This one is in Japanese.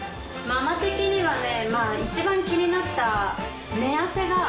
ママ的にはね一番気になった。